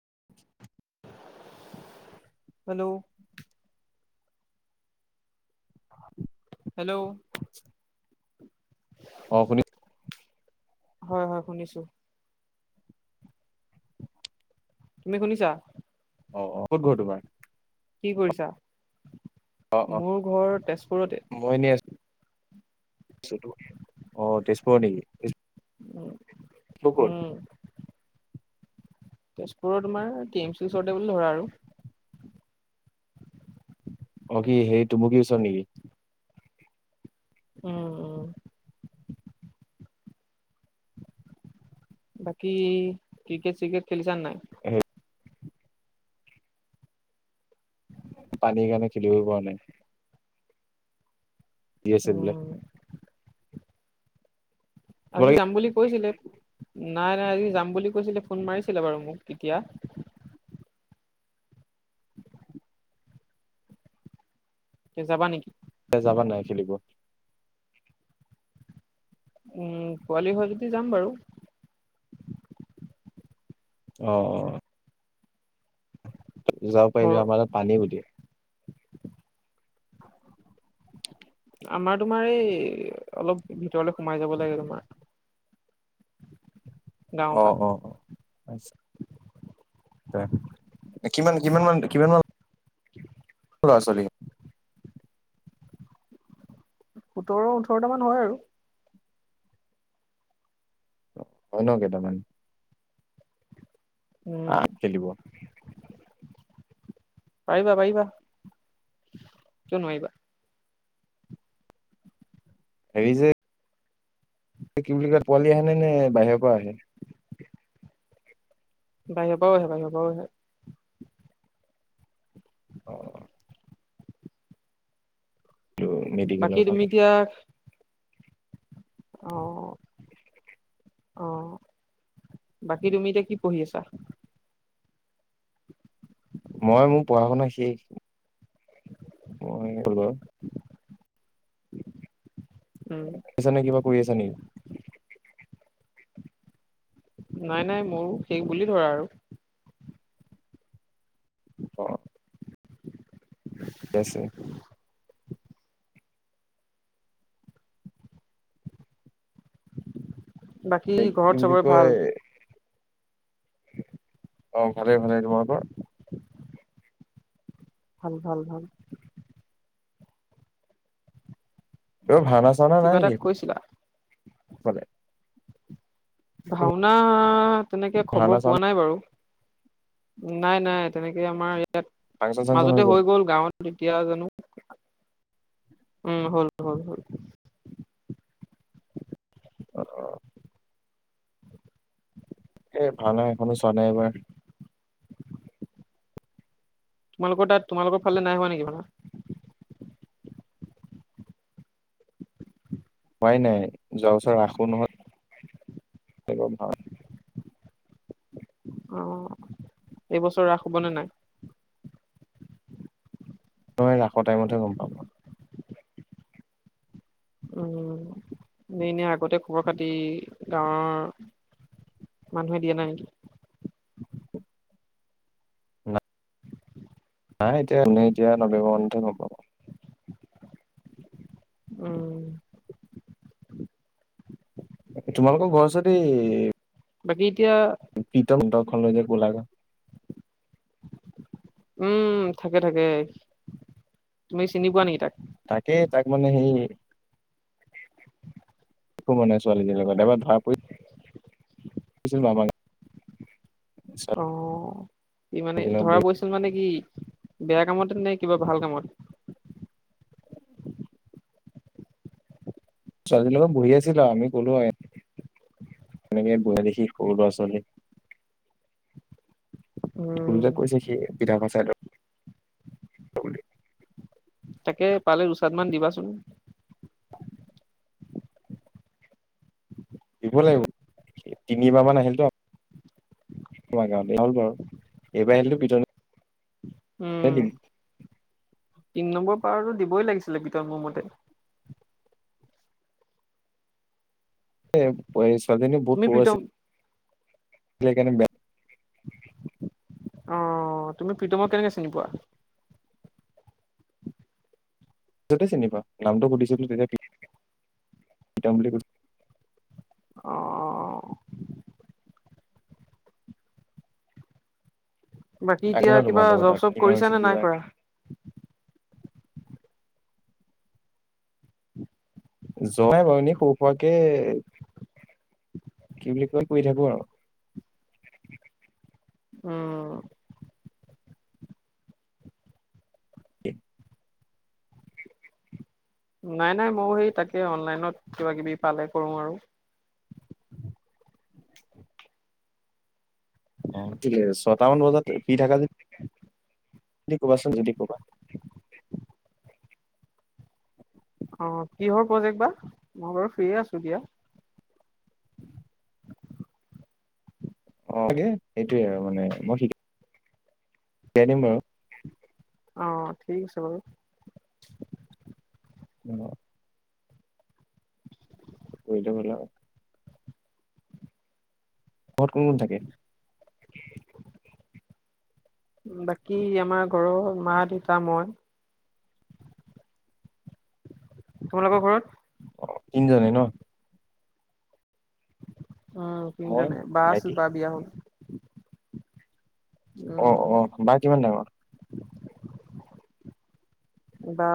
[unintelligible] Hello. হয়। Hello. আপুনি। হয় হয় শুনিছো। তুমি শুনিছা? অ অ ক'ত ঘৰ তোমাৰ? কি কৰিছা অ অ মোৰ ঘৰ তেজপুৰতে। আহ তেজপুৰ নেকি তেজপুৰ। উম ক'ত? উম। তেজপুৰৰ তোমাৰ টি এম চিৰ ওচৰতে বুলি ধৰা আৰু। অ কি সেইটোম কি ওচৰত নেকি। উম উম। বাকী ক্ৰিকেট চ্ৰিকেট খেলিছানে নাই? উম। পানীৰ কাৰণে খেলিব পৰা নাই। তিতি‌ আছে বোলে। উম আজি যাম তোমালোকে বুলি কৈছিলে। নাই নাই আজি যাম বুলি কৈছিলে ফোন মাৰিছিলে বাৰু মোক এতিয়া। এ যাবা নেকি? যাবা নাই খেলিব। উম পোৱালি হয় যদি যাম বাৰু। অ। যাব ঘৰ পাৰিলো আমাৰ তাত পানী গোটেই। আমাৰ তোমাৰ এই অলপ ভিতৰলে সোমাই যাব লাগে তোমাৰ। [unintelligible] গাঁৱৰ পৰা অহ অ অ। কিমান কিমান মান কিমান মান। [unintelligible] লৰা ছোৱালী। সোতৰ ওঠৰটা মান হয় আৰু। হয়ন কেইটা মান। উম আহ খেলিব। পাৰিবা পাৰিবা কিয় নোৱাৰি ব। হাৰি যে। কি বুলি কয় পোৱালি আহে নে নে বাহিৰৰ পৰা আহে। বাহেউ পও আহে বাহি পাও আহে। অ। বাকী মেডিকেলৰ তুমি ফালে এতিয়া। অ। অ বাকী তুমি এতিয়া কি পঢ়ি আছা। মই মোৰ পঢ়া শুনা শেষ। মই বাৰু। পঢ়ি [unintelligible] আছা নে কিবা কৰি আছা নেকি। নাই নাই মোৰো সেই বুলি ধৰা আৰু। অ। থিকে আছে। বাকী কি ঘৰত বুলি চবৰে কয় ভাল। [inaudible] অ ভালেই ভালে তোমাৰ কোৱা? ভাল ভাল ভাল। এই ভাওনা চাওনা নাই কিবা এটা নেকি কৈছিলা সেইফালে? ভাওনা তেনেকে ভাওনা খবৰ পোৱা চাওনা নাই বাৰু। নাই নাই তেনেকে আমাৰ ইয়াত মাজতে হৈ গ'ল গাঁৱত। এতিয়া জানো। উম হল হল হল। অহ এ ভাল ন এখনো চোৱা নাই এইবাৰ। তোমালোকৰ তাত তোমালোকৰ ফালে নাই হোৱা নেকি ভাওনা? হোৱাই নাই যোৱা বছৰ ৰাখো নহল। একদম হোৱা। অ এইবছৰ ৰাস হবনে নাই? অহ ৰাসৰ টাইমতহে গম পাম আৰু। উম এই এনেই আগতে খবৰ খাতি গাঁৱৰ মানুহে দিয়া নাই নেকি? না- নাই এতিয়া এনেই নৱেব মানতে হব। উম তোমালোকৰ ঘৰ যদি বাকী এতিয়া পট তখন লৈ য গলাগা। উম থাকে থাকে তুমি চিনি পোৱা নেকি তাক? তাকেই তাক মানে সেই একো হোৱা নাই ছোৱালীজনীৰ লগত এবাৰ ধৰা পৰিছিল মামাক অ কি মানে লগত ধৰা বহি পৰিছিল মানে কি? বেয়া কামতে নে কিবা ভাল কামত? ছোৱালীৰ লগত বহি আছিলো আমি ক'লো আৰু তেনেকৈ বহা দেখি সৰু ল'ৰা ছোৱালী। কোনোবা উম। কৈছে সি বিধায়ভা চাইদৰ - তাকে পালে দুচাত মান দিবাচোন। দিব লাগিব তিনমাহ মান আহিল ত আমাৰ গাঁৱতে হ'ল বাৰু এইবাৰ আহিলেতো পিত উম তিন নম্বৰ পাৰো দিবই লাগিছিলে ভিতৰত মোৰ মতে। এ ছোৱালীজনী বহুত তুমি সৰু প্ৰীতম আছিল। সেইকাৰণে। অহ তুমি প্ৰীতম কেনেকে চিনি পোৱা? সেইটোৱে চিনি পাও নামটো সুধিছিলো তেতিয় প্ৰীতম বুলি কৈ অহ। বাকী এতিয়া আগজনা তোমাৰ কিবা তোমাৰ জব তাত কি চব নাম কৰিছা আছিল নে নাই কিবা কৰা? যোৱাই নাই এনেই সৰু সুৰা কে কি বুলি কৈ কৰি থাকো আৰু। উম। [inaudible] নাই নাই ময়ো সেই তাকে অনলাইনত কিবা কিবি পালে কৰো আৰু। [inaudible] অ ঠিক আছে ছয়টামান বজাত ফ্ৰী থাকা যে যদি কবা চোন যদি কবা। [inaudible] অ কিহৰ প্ৰজেক্ট বা মই বাৰু ফ্ৰীয়ে আছো দিয়া। অ তাকে সেইটোৱে আৰু মানে মই শিকি শিকাই দিম বাৰু। অ ঠিক আছে বাৰু। অ [unintelligible] ঘৰত কোন কোন থাকে? বাকী আমাৰ ঘৰৰ মা দেউতা মই তোমালোকৰ ঘৰত? অ তিনজনী ন উম মই তিনিজনে বা আছিল ভাইটি বা বিয়া হল। অ উম অ বা কিমান ডাঙৰ? বা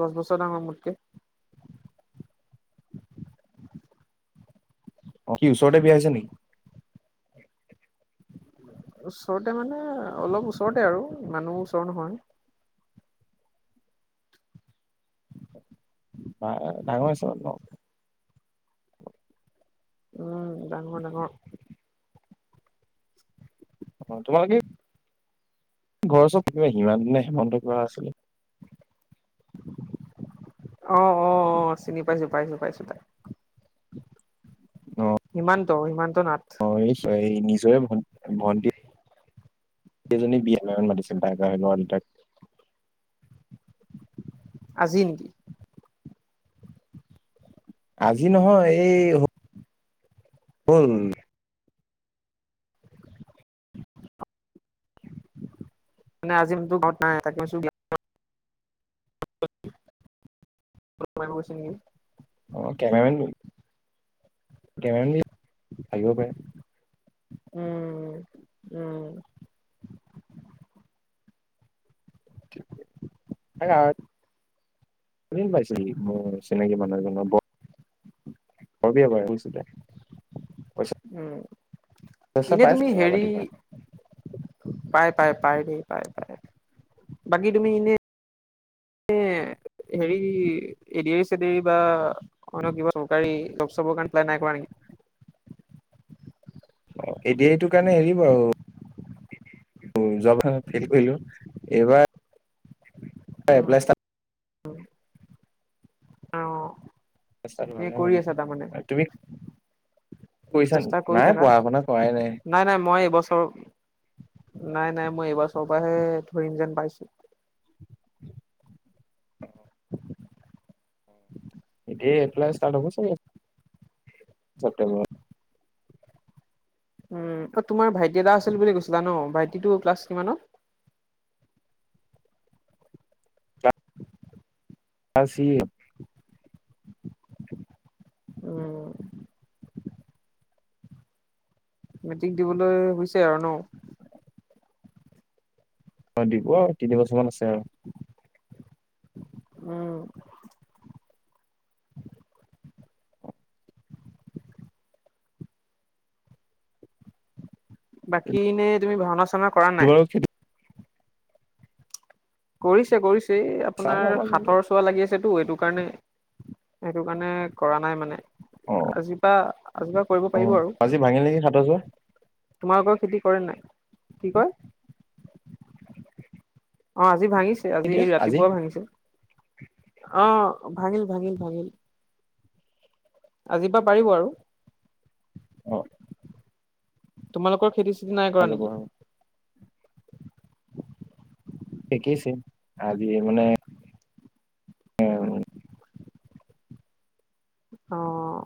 দছ বছৰ ডাঙৰ মোতকে। অ কি ওচৰতে বিয়া হৈছে নেকি? ওচৰতে মানে অলপ ওচৰতে আৰু মানুহ ওচৰ নহয়। ডাঙৰ হৈছে [unintelligible] উম ডাঙ ডঙ অ তোমালোকে ঘৰৰ চব পিবা সিমান দিনে হেমন্ত কিবা আছিলে [inaudible] আহ অ অ চিনি পাইছো পাইছো পাইছো তাইক সিমান্ত সিমান অ নিশ্চয় নিজৰে ভণ্ ভণ্টি সেইজনী বিয়াদিনাখন মাতিছিল বাই ৱৰ্লড এটেক আজি নেকি? আজি নহয় এই হ'ল মে আজি [unintelligible] ঘৰত নাই [unintelligible] গৈছে নেকি? অ কেমেৰা মেন তেৰণি আহিব পাৰে। উম উম। হালাহত ট্ৰেইন পাইছিলি মই চিনাকি মানুহ এজনক ব হবি বাৰু শুইছিলে। উম, চইচা ইনে পাইছে তুমি কেমেৰা হেৰি পাতিব পাইপ পাই পাই দেই পায় পায় বাকী তুমি ইনে হেৰি এডিএৰি চেডিএৰি বা অন্য কিবা চৰকাৰী জব চবৰ কাৰণে এপ্লাই নাই কৰা নেকি? [inaudible] অ এ ডি আৰ ই এইটো কাৰণে হেৰি বাৰু উম যোৱা বাৰ ফেইল কৰিলো, এইবাৰ উম, এপ্লাই ষ্টা ষ্টাৰ্ট হোৱা আহ এ নাই কৰি বাৰু। আছা তাৰমানে? তুমি কৰিছা নেকি চেষ্টা কৰি নাই থাকা। পঢ়া শুনা কৰাই নাই নাই মই এইবছ ত নাই নাই মই এইবছৰ বছৰ পৰাহে ধৰিম যেন পাইছো। এতিয়া এপ্লাই ষ্টাৰ্ট হব চাগে চেপ্তেম্বৰত। উম তাত তোমাৰ ভাইটি এটা আছিল বুলি কৈছিলা ন ভাইটিটো ক্লাছ কিমানত? ক্লাছ ইয়া উম। মেট্ৰিক দিবলৈ হৈছে আৰু ন? অ দিব আৰু তিনিবছৰমান আছে আৰু। উম। বাকীনে তুমি ভাওনা চাওনা কৰা নাই? তোমাৰ খেতি কৰিছে কৰিছে এই চাম আপোনাৰ ৰবা যাম। হাতৰ চোৱা লাগি আছে। টো এইটো কাৰণে, সেইটো কাৰণে কৰা নাই মানে অ আজিৰপৰা আজিৰ পৰা কৰিব অ পাৰিব আৰু, আজি ভাঙিল নেকি সাতৰ চোৱা তোমালোকৰ খেতি কৰে নাই? কি কয়? অ আজি ভাঙিছে আজি ৰাতিপুৱা ভাঙিছে। অ ভাঙিল ভাঙিল ভাঙিল। আজিৰ পৰা পাৰিব আৰু। অঁ। তোমালোকৰ খেতি চেতি নাই কৰা যাব নেকি? শিকিছে, আজি মানে উম। আহ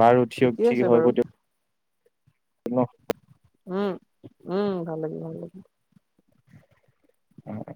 বাৰু উঠিয়ক ঠিকেই ঠিক আছে হব বাৰু দিয়ক। উম উম, ভাল লাগিল ভাল লাগিল। হয়।